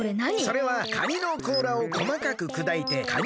それはカニのこうらをこまかくくだいてカニ